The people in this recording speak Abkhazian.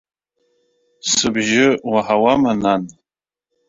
Сыбжьы уаҳауама, нан?